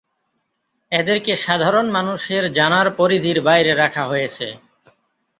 এদেরকে সাধারন মানুষের জানার পরিধির বাইরে রাখা হয়েছে।